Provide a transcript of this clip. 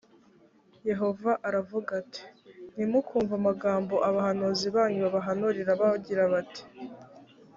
yehova aravuga ati ntimukumve amagambo abahanuzi banyu babahanurira bagira bati